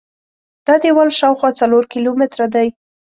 دا دیوال شاوخوا څلور کیلومتره دی.